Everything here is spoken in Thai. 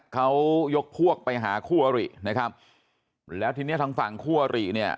เขายกพวกไปหาคู่อรินะครับแล้วทีเนี้ยทางฝั่งคู่อริเนี่ย